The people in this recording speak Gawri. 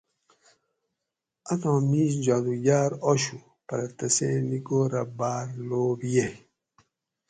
اتھاں مِیش جادوگاۤر آشو پرہ تسیں نیکو رہ باۤر لوب ییگ